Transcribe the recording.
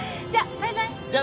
じゃあ。